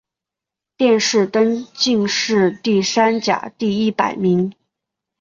殿试登进士第三甲第一百名。